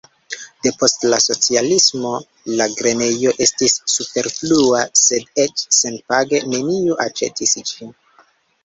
Depost la socialismo la grenejo estis superflua, sed eĉ senpage neniu aĉetis ĝin.